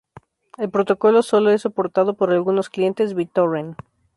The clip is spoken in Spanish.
El protocolo solo es soportado por algunos clientes BitTorrent.